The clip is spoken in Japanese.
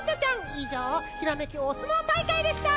いじょう「ひらめきおすもうたいかい！」でした。